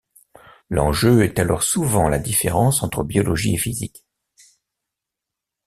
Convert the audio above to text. L'enjeu est alors souvent la différence entre biologie et physique.